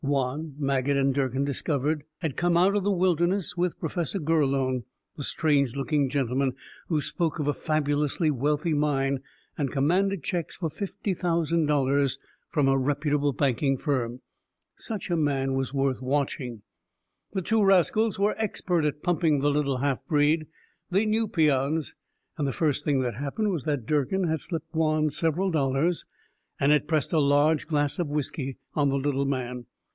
Juan, Maget and Durkin had discovered, had come out of the wilderness with Professor Gurlone, the strange looking gentleman who spoke of a fabulously wealthy mine and commanded checks for fifty thousand dollars from a reputable banking firm. Such a man was worth watching. The two rascals were expert at pumping the little half breed. They knew peons, and the first thing that happened was that Durkin had slipped Juan several dollars and had pressed a large glass of whiskey on the little man.